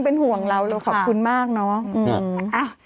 เป็นห่วงเราเราขอบคุณมากเนาะ